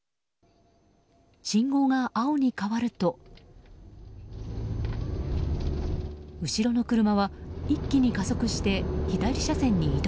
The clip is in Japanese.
信号が青に変わると後ろの車は一気に加速して左車線に移動。